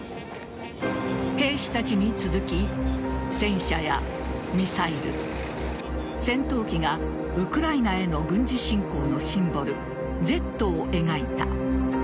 兵士たちに続き、戦車やミサイル戦闘機がウクライナへの軍事侵攻のシンボル・Ｚを描いた。